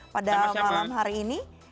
pada malam hari ini